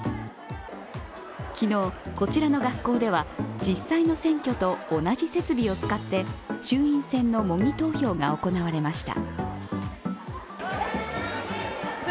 昨日、こちらの学校では実際の選挙と同じ設備を使って衆院選の模擬投票が行われました。